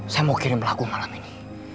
saya mau kirim pelaku malam ini